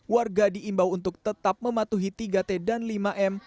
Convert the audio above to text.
warga diimbau untuk tetap mematuhi tiga t dan lima m